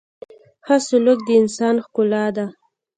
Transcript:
• ښه سلوک د انسان ښکلا ده.